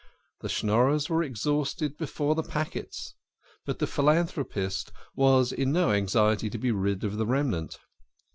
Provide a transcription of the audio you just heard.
The Schnorrers were exhausted before the packets, but the philanthropist was in no anxiety to be rid of the remnant.